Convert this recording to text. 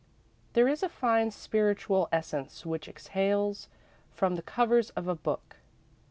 There is a fine spiritual essence which exhales from the covers of a book.